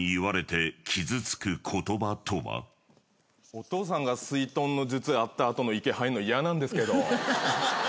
お父さんが水遁の術やった後の池入るの嫌なんですけど。